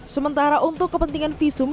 sementara untuk kepentingan visum